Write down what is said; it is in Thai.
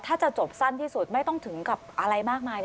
ถ้าจะจบสั้นที่สุดไม่ต้องถึงกับอะไรมากมาย